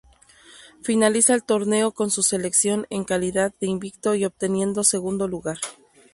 Finaliza el torneo con su selección en calidad de invicto y obteniendo segundo lugar.